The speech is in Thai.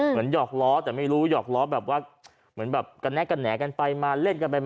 เหมือนหยอกอะไรจะแบบกระแนกกันแหงกันไปมาเล่นไป